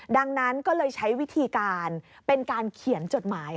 ดังนั้นก็เลยใช้วิธีการเป็นการเขียนจดหมาย